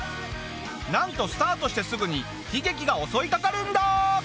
なんとスタートしてすぐに悲劇が襲いかかるんだ！